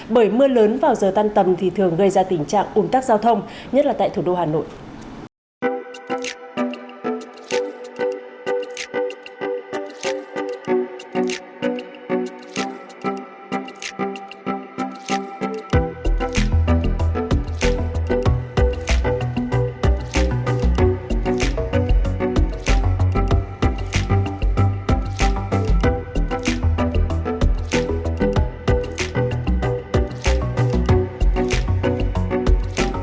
bởi mưa lớn vào giờ tan tầm thì thường gây ra tình trạng ủng tắc giao thông nhất là tại thủ đô hà nội